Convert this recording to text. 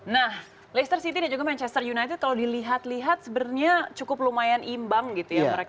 nah leicester city dan juga manchester united kalau dilihat lihat sebenarnya cukup lumayan imbang gitu ya